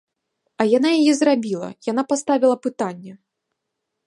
А яна яе зрабіла, яна паставіла пытанне.